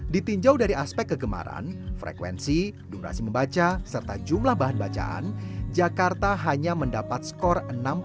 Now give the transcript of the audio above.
ditingjau dari aspek kegemaran frekuensi durasi membaca serta jumlah bahan bacaan jakarta hanya mendapat skor enam puluh dua dua puluh lima